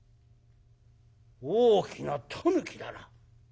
大きなタヌキだな。